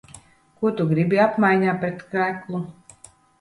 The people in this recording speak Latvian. Ko tu gribi apmaiņā pret kreklu?